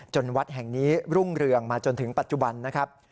วัดแห่งนี้รุ่งเรืองมาจนถึงปัจจุบันนะครับ